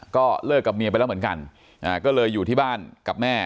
ก็เลิกกับเมียไปแล้วเหมือนกันก็เลยอยู่ที่บ้านกับแม่